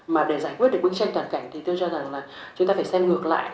mà để giải quyết được bức tranh toàn cảnh thì tôi cho rằng là chúng ta phải xem ngược lại